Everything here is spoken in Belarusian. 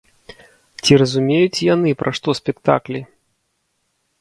Ці разумеюць яны, пра што спектаклі?